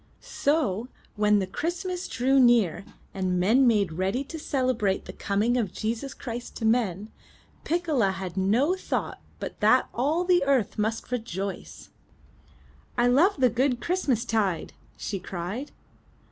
So when the Christ mass drew near and men made ready to celebrate the coming of Jesus Christ to men, Piccola had no thought but that all the earth must rejoice. I love the good Christmas tide!" she cried.